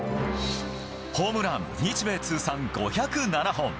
ホームラン日米通算５０７本。